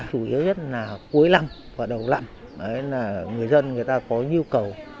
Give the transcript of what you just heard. chủ yếu nhất là cuối năm và đầu năm là người dân người ta có nhu cầu